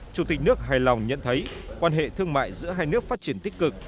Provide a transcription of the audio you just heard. chủ tịch nước hài lòng nhận thấy quan hệ thương mại giữa hai nước phát triển tích cực